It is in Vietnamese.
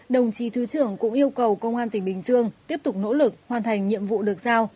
đồng chí thứ trưởng cũng yêu cầu công an tỉnh bình dương tiếp tục nỗ lực hoàn thành nhiệm vụ được giao